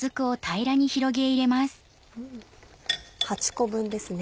８個分ですね。